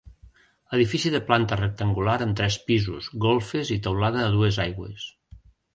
Edifici de planta rectangular amb tres pisos, golfes i teulada a dues aigües.